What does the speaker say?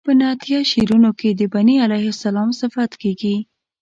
په نعتیه شعرونو کې د بني علیه السلام صفت کیږي.